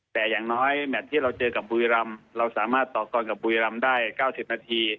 แต่อย่างน้อยแมทที่เราเจอกับบุรีรำเราสามารถต่อกรกับบุรีรำได้๙๐นาที